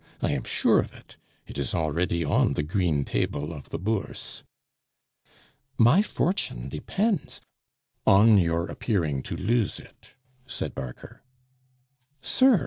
"I am sure of it! It is already on the green table of the Bourse." "My fortune depends " "On your appearing to lose it," said Barker. "Sir!"